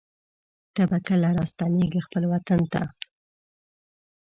ته به کله راستنېږې خپل وطن ته